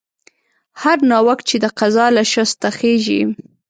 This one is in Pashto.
هر ناوک چې د قضا له شسته خېژي